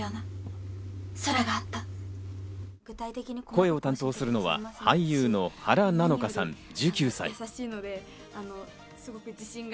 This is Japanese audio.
声を担当するのは俳優の原菜乃華さん、１９歳。